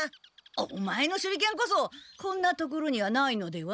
オマエの手裏剣こそこんな所にはないのでは？